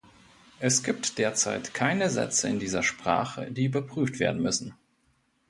Es gibt derzeit keine Sätze in dieser Sprache, die überprüft werden müssen.